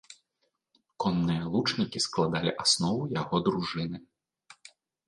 Конныя лучнікі складалі аснову яго дружыны.